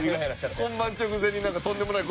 本番直前になんかとんでもない事言うの。